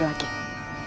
hari ini aku gagal